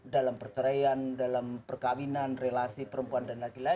dalam perceraian dalam perkawinan relasi perempuan dan laki laki